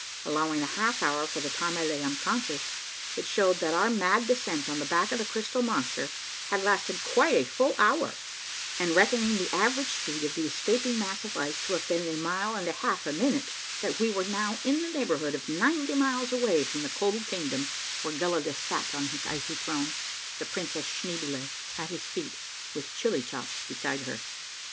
Allowing a half hour for the time I lay unconscious, it showed that our mad descent on the back of the crystal monster had lasted quite a full hour, and reckoning the average speed of the escaping mass of ice to have been a mile and a half a minute, that we were now in the neighborhood of ninety miles away from the cold kingdom where Gelidus sat on his icy throne, and Princess Schneeboule at his feet with Chillychops beside her.